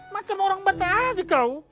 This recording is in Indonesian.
macam orang beta aja kau